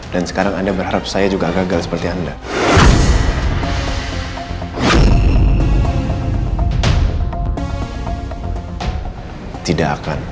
dan sekarang anda berharap saya juga gagal seperti anda